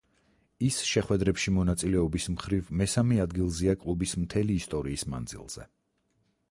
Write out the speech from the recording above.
ის შეხვედრებში მონაწილეობის მხრივ მესამე ადგილზეა კლუბის მთელი ისტორიის მანძილზე.